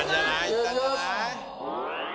いったんじゃない？